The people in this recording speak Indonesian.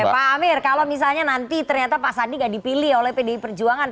oke pak amir kalau misalnya nanti ternyata pak sandi gak dipilih oleh pdi perjuangan